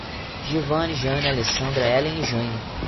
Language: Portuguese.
Giovane, Geane, Alessandra, Elen e Jaine